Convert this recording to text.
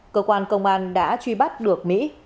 cơ quan công an đã truy bắt được mỹ